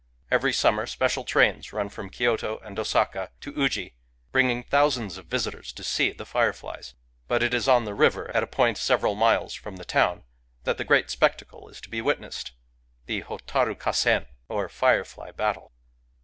Every summer special trains run from Ky5t5 and Osaka to Uji, bringing thousands of visitors to see the fireflies. But it is on the river, at a point several miles from the town, that the great spectacle is to be witnessed, — the Hotaru Kassen^ or Firefly Battle.